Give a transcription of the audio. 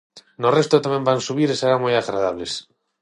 No resto tamén van subir e serán moi agradables.